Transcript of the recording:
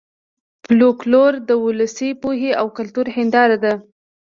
فولکلور د ولسي پوهې او کلتور هېنداره ده